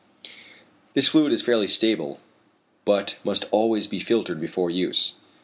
This fluid is fairly stable, but must always be filtered before use.